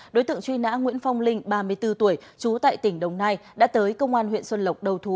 đối tượng truy nã nguyễn phong linh ba mươi bốn tuổi trú tại tỉnh đồng nai đã tới công an huyện xuân lộc đầu thú